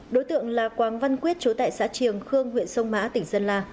đối tượng là quang văn quyết chú tại xã triềng khương huyện sông mã tỉnh sơn la